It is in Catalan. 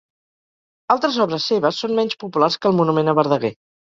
Altres obres seves són menys populars que el monument a Verdaguer.